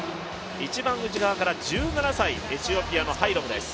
一番内側から１７歳、エチオピアのハイロムです。